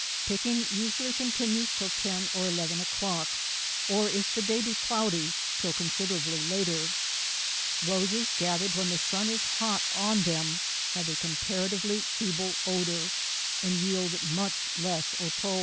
Picking usually continues till 10 or 1 1 o’clock, or if the day be cloudy till considerably later. Roses gathered when the sun is hot on them have a comparatively feeble odour, and yield much less otto.